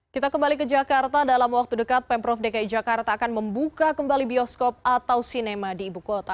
kita kembali ke jakarta dalam waktu dekat pemprov dki jakarta akan membuka kembali bioskop atau sinema di ibu kota